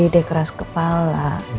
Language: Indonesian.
dia keras kepala